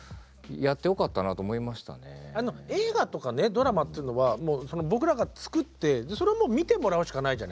ドラマっていうのは僕らが作ってそれを見てもらうしかないじゃない。